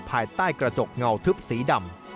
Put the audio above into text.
ภายใต้กระจกเงาทึบสีดำ